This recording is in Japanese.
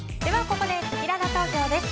ここでせきらら投票です。